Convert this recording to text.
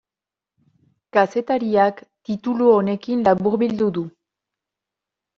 Kazetariak titulu honekin laburbildu du.